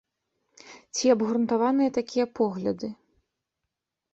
Ці абгрунтаваныя такія погляды?